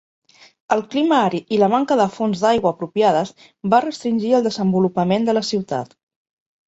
El clima àrid i la manca de fonts d'aigua apropiades va restringir el desenvolupament de la ciutat.